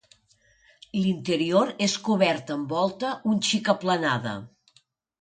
L'interior és cobert amb volta un xic aplanada.